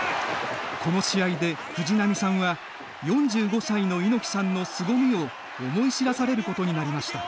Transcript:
この試合で、藤波さんは４５歳の猪木さんのすごみを思い知らされることになりました。